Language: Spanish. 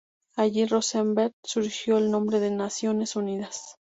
Allí Roosevelt sugirió el nombre de "Naciones Unidas".